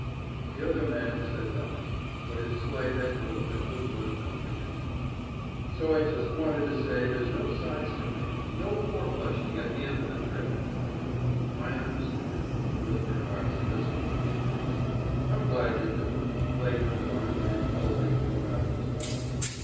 The other man said nothing, but his slight head movement was one of comprehension. "So I just wanted to say there's no side stepping, no four flushing, at this end of the trip!" "I understand," was Binhart's listless response. "I'm glad you do," Blake went on in his dully monotonous voice.